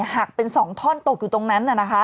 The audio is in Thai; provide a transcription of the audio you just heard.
หักเป็น๒ท่อนตกอยู่ตรงนั้น